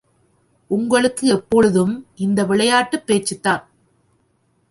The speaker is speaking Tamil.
உங்களுக்கு எப்பொழுதும் இந்த விளையாட்டுப் பேச்சுத்தான்.